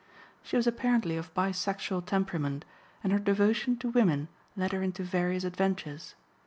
She was apparently of bisexual temperament, and her devotion to women led her into various adventures.